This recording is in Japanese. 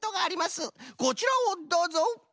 こちらをどうぞ！